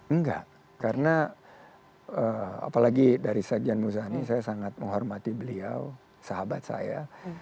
enggak karena apalagi dari sekjen muzani saya sangat menghormati beliau sahabat saya